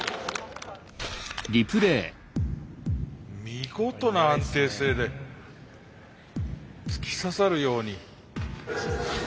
見事な安定性で突き刺さるように。